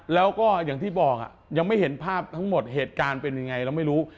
แล้วก็อย่างที่บอกยังไม่เห็นภาพทั้งหมดเหตุการณ์เป็นยังไงเราไม่รู้